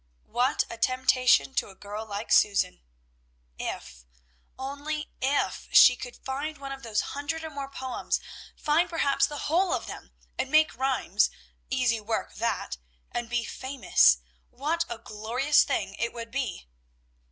What a temptation to a girl like Susan! If only IF she could find one of those hundred or more poems, find perhaps the whole of them, and make rhymes (easy work that), and be "famous," what a glorious thing it would be!